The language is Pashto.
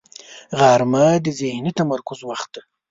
غرمه د ذهني تمرکز وخت دی